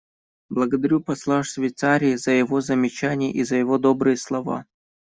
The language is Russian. Благодарю посла Швейцарии за его замечания и за его добрые слова.